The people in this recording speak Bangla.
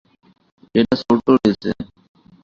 এটা ছোট রয়েছে।